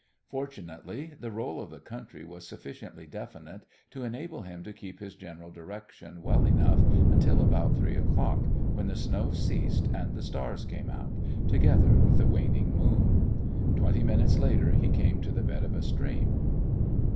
Fortunately the roll of the country was sufficiently definite to enable him to keep his general direction well enough until about three o'clock, when the snow ceased and the stars came out, together with the waning moon. Twenty minutes later he came to the bed of a stream.